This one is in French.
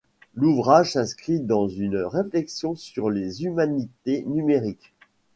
L'ouvrage s'inscrit dans une réflexion sur les humanités numériques.